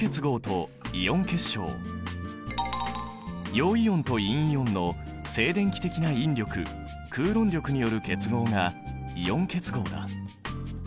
陽イオンと陰イオンの静電気的な引力クーロン力による結合がイオン結合だ。